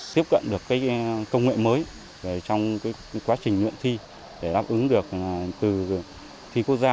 tiếp cận được công nghệ mới trong quá trình luyện thi để đáp ứng được từ thi quốc gia